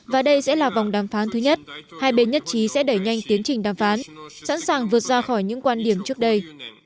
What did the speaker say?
và đây sẽ là vòng đàm phán thứ nhất hai bên nhất trí sẽ đẩy nhanh tiến trình đàm phán sẵn sàng vượt ra khỏi những quan điểm trước đây